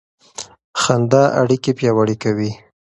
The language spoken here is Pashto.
خندا اړیکې پیاوړې کوي.